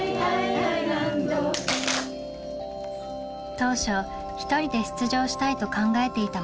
当初１人で出場したいと考えていたまりりん。